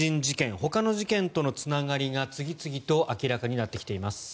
ほかの事件とのつながりが次々と明らかになってきています。